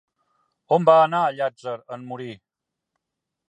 On va anar Llàtzer en morir?